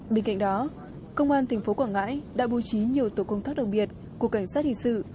bên cạnh đó công an tỉnh phố quảng ngãi đã bù trí nhiều tổ công tác đồng biệt của cảnh sát hình sự